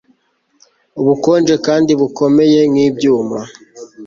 Ubukonje kandi bukomeye nkibyuma